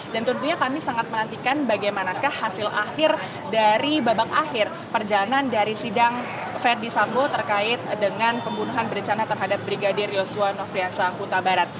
dan tentunya kami sangat menantikan bagaimanakah hasil akhir dari babak akhir perjalanan dari sidang ferdisabu terkait dengan pembunuhan berencana terhadap brigadir yosua noviasa kota barat